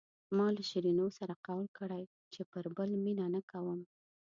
ما له شیرینو سره قول کړی چې پر بل مینه نه کوم.